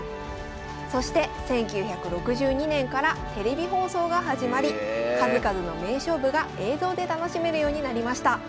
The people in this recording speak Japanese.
そして１９６２年からテレビ放送が始まり数々の名勝負が映像で楽しめるようになりました。